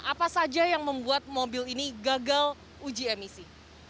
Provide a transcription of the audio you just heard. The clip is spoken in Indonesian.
apa saja yang membuat mobil ini gagal uji emisi